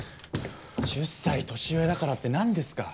１０歳年上だからって何ですか。